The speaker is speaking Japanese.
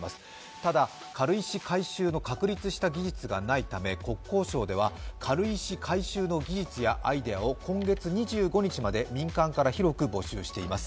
ただ、軽石回収の確立した技術がないため国交省では軽石回収の技術やアイデアを今月２５日まで民間から広く募集しています。